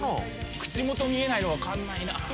口元見えないの分かんないな。